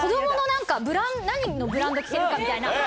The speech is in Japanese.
何のブランド着てるかみたいな。